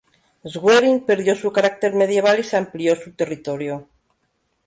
Schwerin perdió su carácter medieval, y se amplió su territorio.